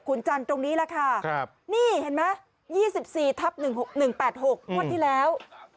คุณจันทร์ตรงนี้แหละค่ะนี่เห็นไหม๒๔ทับ๑๑๘๖งวดที่แล้ว